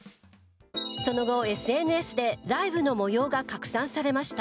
その後ＳＮＳでライブの模様が拡散されました。